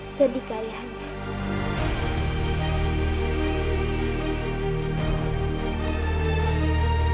sedih kali hanya